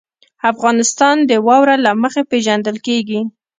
افغانستان د واوره له مخې پېژندل کېږي.